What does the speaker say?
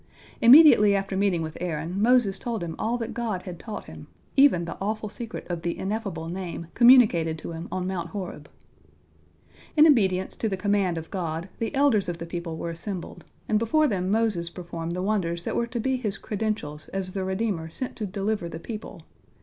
Immediately after meeting with Aaron, Moses told him all that God had taught him, even the awful secret of the Ineffable Name communicated to him on Mount Horeb. In obedience to the command of God, the elders of the people were assembled, and before them Moses performed the wonders that were to be his credentials as the redeemer sent to deliver the people.